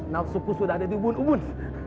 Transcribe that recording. naksuku sudah ada di ubun ubun